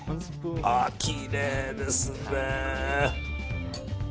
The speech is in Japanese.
きれいですね。